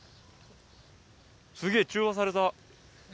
すげぇ、中和された。